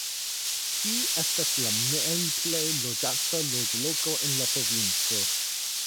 Ĝi estas la malplej loĝata loĝloko en la provinco.